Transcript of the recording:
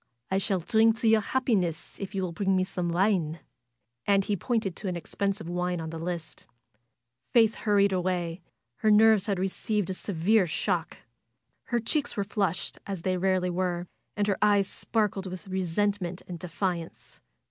"I shall drink to your happiness if you will bring me some wine." And he pointed to an expensive wine on the list. Faith hurried away. Her nerves had received a se vere shock. Her cheeks were flushed, as they rarely were, and her eyes sparkled with resentment and de fiance.